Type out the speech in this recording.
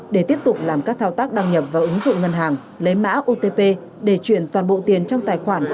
để tiếp tục làm các thao tác đăng nhập vào ứng dụng ngân hàng lấy mã otp để chuyển toàn bộ tiền trong tài khoản